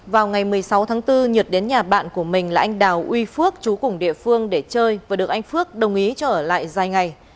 vào ngày một mươi sáu tháng bốn nhật đến nhà bạn của mình là anh đào uy phước chú cùng địa phương để chơi và được anh phước đồng ý trở ở lại dài ngày